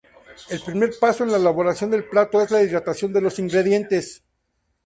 El primer paso en la elaboración del plato es la hidratación de los ingredientes.